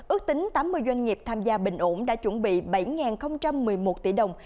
ước tính tám mươi doanh nghiệp tham gia bình ổn đã chuẩn bị bảy một mươi một tỷ đồng